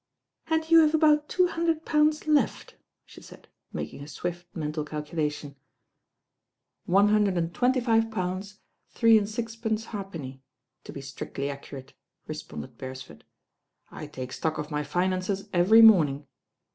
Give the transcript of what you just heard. "And you have about two hundred pounds left, she said, making a swift mental calculation. . n IQS THE RAIN GIRL "One hundred and twenty five pounds three and sixpence halfpenny, to be strictly accurate," re* sponded Beresford. "I take stock of my finances every morning.